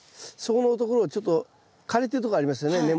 そこのところをちょっと枯れてるとこありますよね